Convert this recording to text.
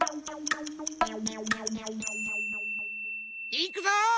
いくぞ。